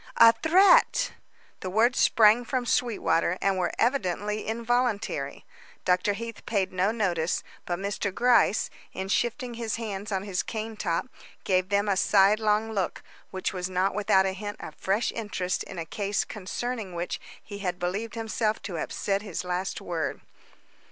"A threat!" The words sprang from Sweetwater, and were evidently involuntary. Dr. Heath paid no notice, but Mr. Gryce, in shifting his hands on his cane top, gave them a sidelong look which was not without a hint of fresh interest in a case concerning which he had believed himself to have said his last word.